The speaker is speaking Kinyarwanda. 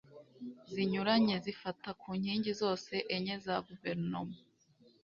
zinyuranye zifata ku nkingi zose enye za Guverinoma